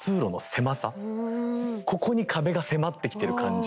ここに壁が迫ってきてる感じ。